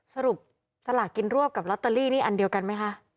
สลากกินรวบกับลอตเตอรี่นี่อันเดียวกันไหมคะ